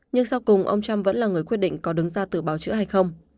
nhưng sau cùng ông trump vẫn là người quyết định có đứng ra tự báo chữa hay không